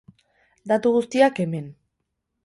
Datu guztiak, hemen.